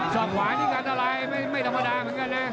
อกขวานี่อันตรายไม่ธรรมดาเหมือนกันนะ